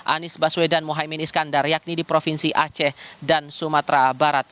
anies baswedan mohaimin iskandar yakni di provinsi aceh dan sumatera barat